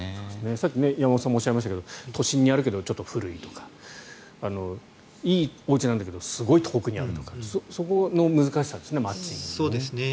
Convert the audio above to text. さっき山本さんもおっしゃいましたけど都心にあるけどちょっと古いとかいいおうちなんだけどすごく遠くにあるとかというそのマッチングの難しさですね。